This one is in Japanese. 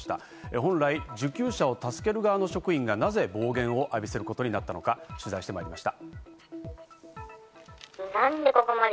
本来、受給者を助ける側の職員がなぜ暴言を浴びせることになったのか取材してまいりました。